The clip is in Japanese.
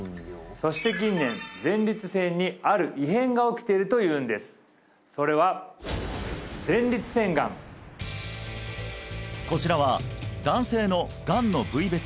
そして近年前立腺にある異変が起きているというんですそれは前立腺がんこちらは男性のがんの部位